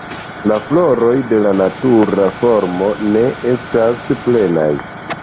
La floroj de la natura formo ne estas plenaj.